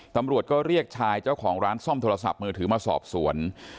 ตำรวจก็เรียกชายเจ้าของร้านซ่อมโทรศัพท์มือถือมาสอบสวน